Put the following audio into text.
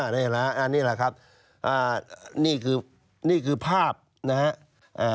นี่แหละครับนี่คือภาพนะครับ